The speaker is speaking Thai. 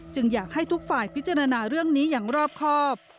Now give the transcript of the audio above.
อยากให้ทุกฝ่ายพิจารณาเรื่องนี้อย่างรอบครอบ